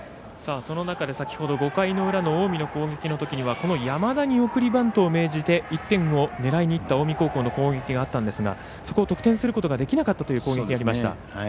その中で先ほど５回の裏の近江の攻撃のときにはこの山田に送りバントを命じて１点を狙いにいった近江高校の攻撃があったんですがそこ、得点することができなかったという攻撃でした。